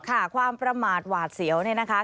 ความประมาทหวาดเสียวเนี่ยนะคะ